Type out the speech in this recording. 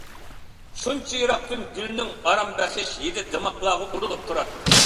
شۇنچە يىراقتىن گۈلنىڭ ئارام بەخش ھىدى دىماقلارغا ئۇرۇلۇپ تۇراتتى.